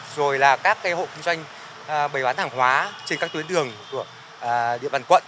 rồi là các hộ kinh doanh bày bán hàng hóa trên các tuyến đường của địa bàn quận